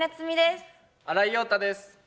新井庸太です。